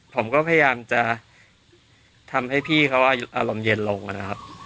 ผมก็พยายามจะทำให้พี่เขาอารมณ์เย็นลงนะครับ